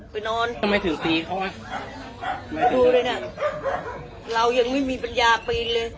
ไปนอนทำไมถึงตีเขาไงดูเลยน่ะเรายังไม่มีปัญญาปีนเลย